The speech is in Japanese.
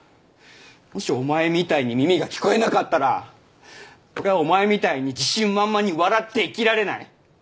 もしお前みたいに耳が聞こえなかったら俺はお前みたいに自信満々に笑って生きられない！